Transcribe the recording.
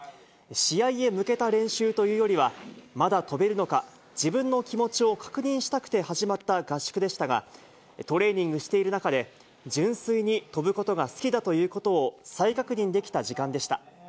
試合へ向けた練習というよりは、まだ飛べるのか、自分の気持ちを確認したくて始まった合宿でしたが、トレーニングしている中で、純粋に飛ぶことが好きだということを再確認できた時間でした。